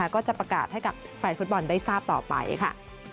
ก็จะประกาศให้กับแฟนฟุตบอลได้ทราบต่อไปค่ะ